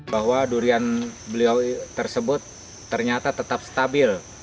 bahwa durian beliau tersebut ternyata tetap stabil